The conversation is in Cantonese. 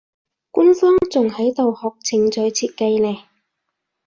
官方仲喺度學程式設計呢